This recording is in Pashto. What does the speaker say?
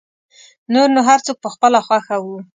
نور نو هر څوک په خپله خوښه و.